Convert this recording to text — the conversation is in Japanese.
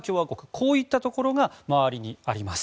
こういったところが周りにあります。